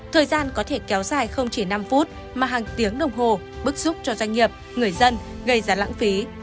thời gian có thể kéo dài không chỉ năm phút mà hàng tiếng đồng hồ bức xúc cho doanh nghiệp người dân gây ra lãng phí